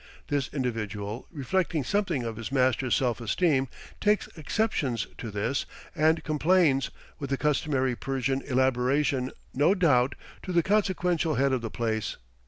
This individual, reflecting something of his master's self esteem, takes exceptions to this, and complains, with the customary Persian elaboration, no doubt, to the consequential head of the place.